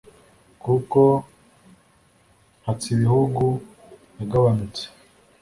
kuko mpatsibihugu yagabanutse